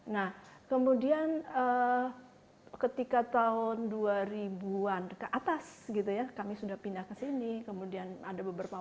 nah kemudian ketika tahun dua ribu an ke atas gitu ya kami sudah pindah ke sini kemudian ada beberapa